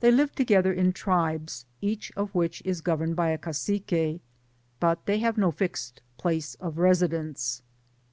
They live together in tribes, each of which is governed by a Cacique, but they have no fixed place of residence.